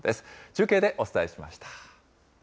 中継でお伝えしました。